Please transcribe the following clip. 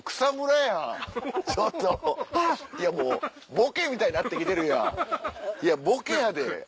ボケみたいになってきてるやんいやボケやで。